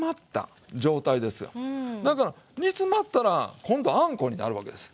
だから煮詰まったら今度あんこになるわけです。